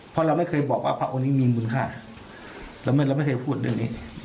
เพราะเราไม่เคยบอกว่าพระองค์นี้มีมูลค่าเราไม่เคยพูดเรื่องนี้